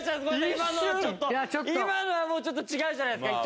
今のはもうちょっと違うじゃないですか。